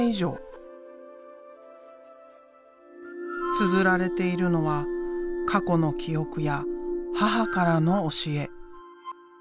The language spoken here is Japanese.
つづられているのは過去の記憶や母からの教え。